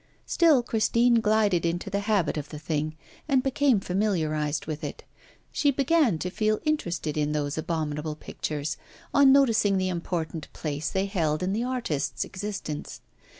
Still, Christine glided into the habit of the thing, and became familiarised with it; she began to feel interested in those abominable pictures, on noticing the important place they held in the artist's existence.